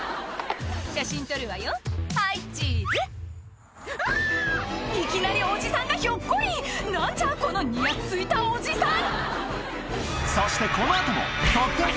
「写真撮るわよはいチーズ」いきなりおじさんがひょっこり何じゃこのにやついたおじさん！